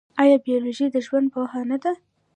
ایا بیولوژي د ژوند پوهنه ده؟